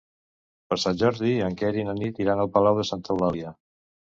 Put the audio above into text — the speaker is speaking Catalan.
Per Sant Jordi en Quer i na Nit iran a Palau de Santa Eulàlia.